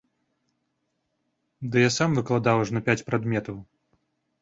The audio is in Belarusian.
Ды я сам выкладаў ажно пяць прадметаў!